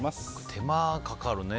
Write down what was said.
手間かかるね。